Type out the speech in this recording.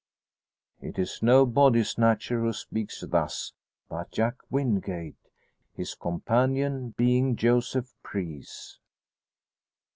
It is no body snatcher who speaks thus, but Jack Wingate, his companion being Joseph Preece.